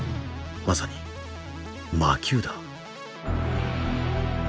まさに“魔球”だ。